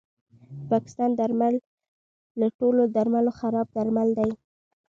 د پاکستان درمل له ټولو درملو خراب درمل دي